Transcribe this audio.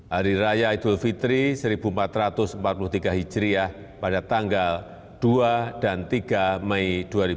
hari raya idul fitri seribu empat ratus empat puluh tiga hijriah pada tanggal dua dan tiga mei dua ribu dua puluh